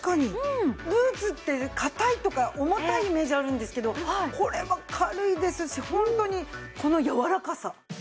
ブーツって硬いとか重たいイメージあるんですけどこれは軽いですしホントにこの柔らかさ。